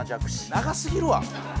長すぎるわ！